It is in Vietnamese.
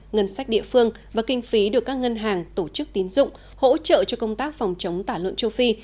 ngân sách địa phương và kinh phí được các ngân hàng tổ chức tín dụng hỗ trợ cho công tác phòng chống tả lợn châu phi